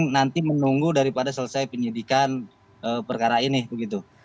nanti menunggu daripada selesai penyidikan perkara ini begitu